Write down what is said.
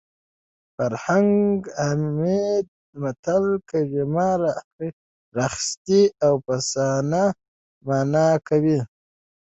فرهنګ عمید د متل کلمه راخیستې او افسانه مانا کوي